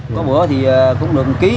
có bữa thì cũng được một kg